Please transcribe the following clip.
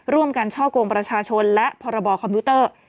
ร่วมกันช่อกงประชาชนและพรบคอมพิวเตอร์